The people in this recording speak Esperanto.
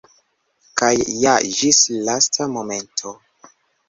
Kaj ja ĝis lasta momento!